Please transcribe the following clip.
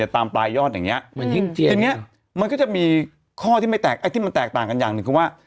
ตามปลายยอดอย่างนี้มันก็จะมีข้อที่ไม่แตกที่มันแตกต่างกันอย่างหนึ่งคือว่า